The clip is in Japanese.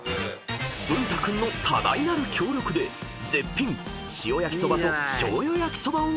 ［ぶんた君の多大なる協力で絶品塩焼きそばとしょうゆ焼きそばをゲット］